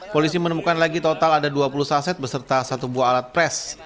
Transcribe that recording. polisi menemukan lagi total ada dua puluh saset beserta satu buah alat pres